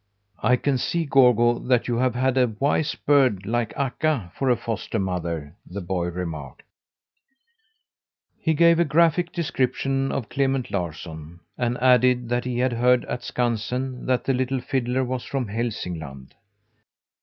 "I can see, Gorgo, that you have had a wise bird like Akka for a foster mother," the boy remarked. He gave a graphic description of Clement Larsson, and added that he had heard at Skansen that the little fiddler was from Hälsingland.